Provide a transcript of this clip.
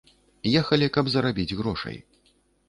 Ехалі, каб зарабіць грошай.